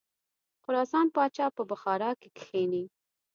د خراسان پاچا په بخارا کې کښیني.